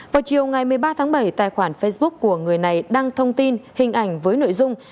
vào chiều ngày một mươi ba tháng bảy tài khoản facebook của người này đăng thông tin hình ảnh với nội dung